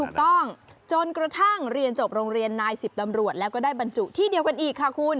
ถูกต้องจนกระทั่งเรียนจบโรงเรียนนายสิบตำรวจแล้วก็ได้บรรจุที่เดียวกันอีกค่ะคุณ